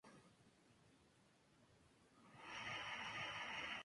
Habita en Tonkín Vietnam.